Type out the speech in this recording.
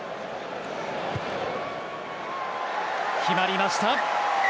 決まりました。